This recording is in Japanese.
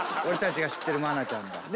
俺たちが知ってる愛菜ちゃんだ。